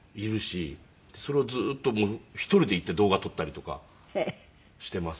それをずっと１人で行って動画撮ったりとかしていますね。